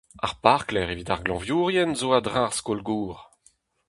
Ar parklec'h evit ar glañvourien zo a-dreñv ar skol gozh.